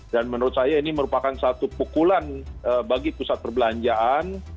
dan menurut saya ini merupakan satu pukulan bagi pusat perbelanjaan